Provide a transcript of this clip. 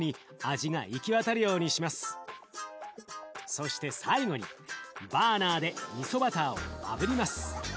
そして最後にバーナーでみそバターをあぶります。